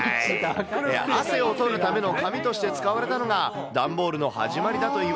汗を取るための紙として使われたのが、段ボールの始まりだといわ